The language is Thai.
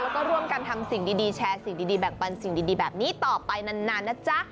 แล้วก็ร่วมกันทำสิ่งดีแชร์สิ่งดีแบ่งปันสิ่งดีแบบนี้ต่อไปนานนะจ๊ะ